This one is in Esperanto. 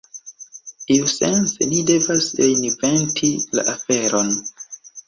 Iusence ni devas reinventi la aferon.